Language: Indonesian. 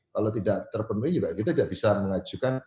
kalau tidak terpenuhi juga kita tidak bisa mengajukan